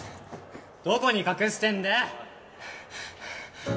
・どこに隠してんだよ！